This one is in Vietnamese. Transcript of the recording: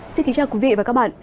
xin kính chào quý vị và các bạn